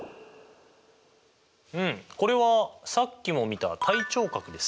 うんこれはさっきも見た対頂角ですね。